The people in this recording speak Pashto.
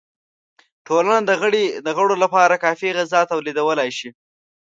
ټولنه د غړو لپاره کافی غذا تولیدولای شوه.